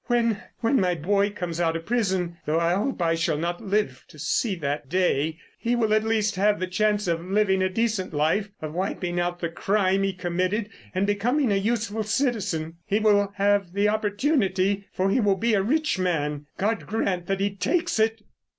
When—when my boy comes out of prison—though I hope I shall not live to see that day—he will at least have the chance of living a decent life, of wiping out the crime he committed, and becoming a useful citizen. He will have the opportunity, for he will be a rich man. God grant that he takes it."